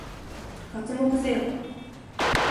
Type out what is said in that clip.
刮目せよ！